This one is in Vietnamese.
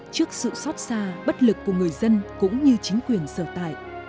trước sự xót xa bất lực của người dân cũng như chính quyền sở tại